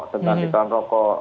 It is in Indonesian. dengan citaan rokok